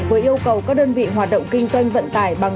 với yêu cầu các đơn vị hoạt động kinh doanh vận tải bằng